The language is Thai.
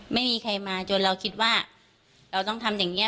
ไม่มีใครมาจนเราคิดว่าเราต้องทำอย่างนี้